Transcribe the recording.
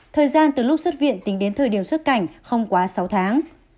thời gian từ lúc xuất viện tính đến thời điểm xuất cảnh không quá sáu tháng